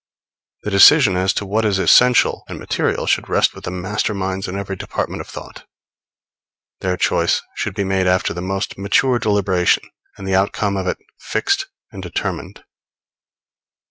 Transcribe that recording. The decision as to what is essential and material should rest with the masterminds in every department of thought; their choice should be made after the most mature deliberation, and the outcome of it fixed and determined.